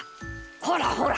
ほらほら。